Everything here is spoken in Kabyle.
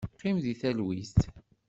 Qim di talwit!